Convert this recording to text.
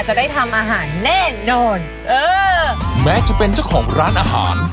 จะได้ทำอาหารแน่นอนเออแม้จะเป็นเจ้าของร้านอาหาร